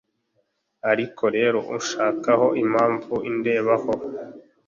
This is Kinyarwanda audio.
Ariko rero Inshakaho impamvu Indebaho